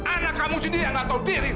anak kamu sendiri yang gak tahu diri